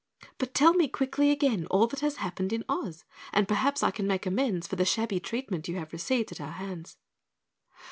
But tell me quickly again all that has happened in Oz and perhaps I can make amends for the shabby treatment you have received at our hands."